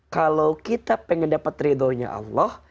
kalau kita pengen dapat ridho nya allah